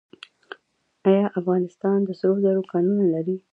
آیا افغانستان د سرو زرو کانونه لري؟